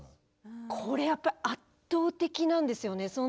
これやっぱり圧倒的なんですよね